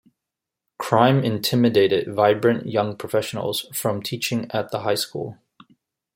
Crime intimidated vibrant young professionals from teaching at the high school.